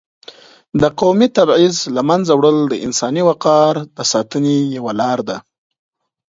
د قومي تبعیض له منځه وړل د انساني وقار د ساتنې یوه لار ده.